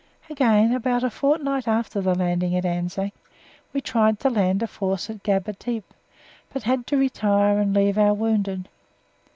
Again, about a fortnight after the landing at Anzac, we tried to land a force at Gaba Tepe, but had to retire and leave our wounded.